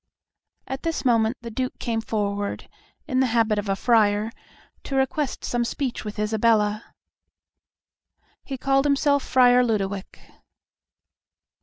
At this moment the Duke came forward, in the habit of a friar, to request some speech with Isabella. He called himself Friar Lodowick.